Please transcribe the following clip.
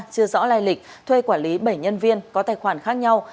chưa rõ lai lịch thuê quản lý bảy nhân viên có tài khoản khác nhau